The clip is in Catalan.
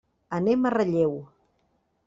Anem a Relleu.